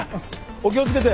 お気を付けて。